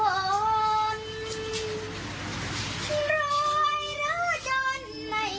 ลองเลยอยู่กว่านนั้น